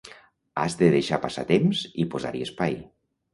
Has de deixar passar temps i posar-hi espai.